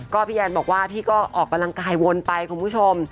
ก็พี่แอนบอกว่าพี่ก็ออกกำลังกายวนไปคุณผู้ชม